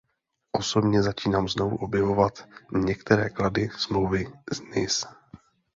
Osobně začínám znovu objevovat některé klady Smlouvy z Nice.